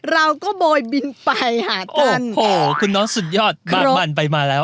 เราก็โบยบินไปหากันโอ้โหคุณน้องสุดยอดบ้าง